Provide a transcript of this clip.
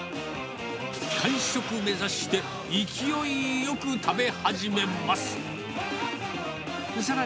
完食目指して、勢いよく食べ始めます。